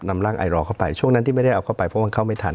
นำร่างไอรอเข้าไปช่วงนั้นที่ไม่ได้เอาเข้าไปเพราะมันเข้าไม่ทัน